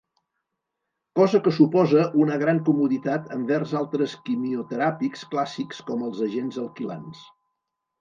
Cosa que suposa una gran comoditat envers altres quimioteràpics clàssics com els agents alquilants.